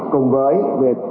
cùng với việc